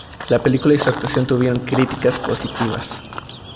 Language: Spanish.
La película y su actuación tuvieron críticas positivas.